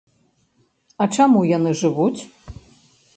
А чаму яны жывуць?